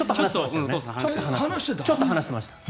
ちょっと話してましたよね。